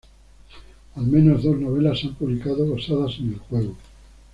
Al menos dos novelas se han publicado basadas en el juego.